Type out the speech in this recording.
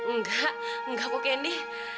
enggak enggak kok candy